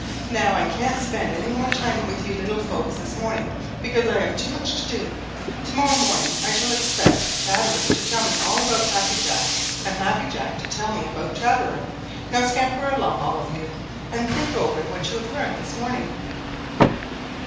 Now I can't spend any more time with you little folks this morning, because I've too much to do. To morrow morning I shall expect Chatterer to tell me all about Happy Jack, and Happy Jack to tell me all about Chatterer. Now scamper along, all of you, and think over what you have learned this morning."